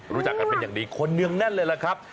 รู้จักกันเป็นอย่างดีคนเนืองแน่นเลยล่ะครับ